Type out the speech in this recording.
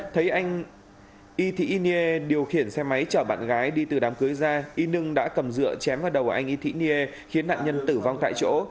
thấy anh y thị y nghê điều khiển xe máy chở bạn gái đi từ đám cưới ra y nương đã cầm dựa chém vào đầu anh y thị nghê khiến nạn nhân tử vong tại chỗ